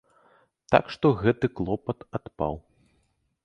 Так што гэты клопат адпаў.